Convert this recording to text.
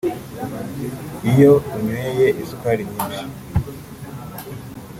Iyo unyweye isukari nyinshi